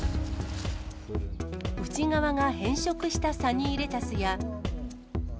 内側が変色したサニーレタスや。